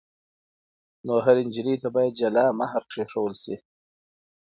نو هرې نجلۍ ته بايد جلا مهر کښيښوول سي.